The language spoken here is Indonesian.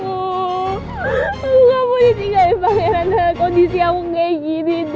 aku nggak mau ditinggalin pangeran dalam kondisi aku kayak gini dad